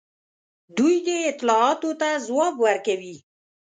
دوی دې اطلاعاتو ته ځواب ورکوي.